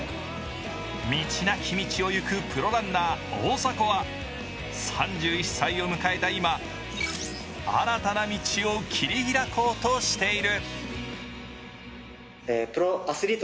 道なき道を行くプロランナー大迫は３１歳を迎えた今、新たな道を切り開こうとしている。